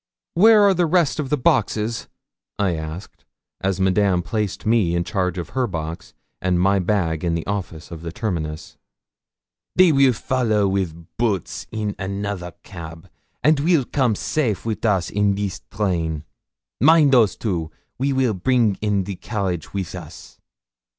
'Where are the rest of the boxes?' I asked, as Madame placed me in charge of her box and my bag in the office of the terminus. 'They will follow with Boots in another cab, and will come safe with us in this train. Mind those two, we weel bring in the carriage with us.'